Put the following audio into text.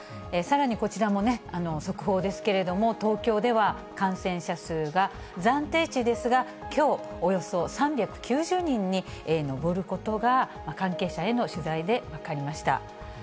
さらにこちらもね、速報ですけれども、東京では感染者数が暫定値ですが、きょう、およそ３９０人に上ることが関係者への取材で分かりました。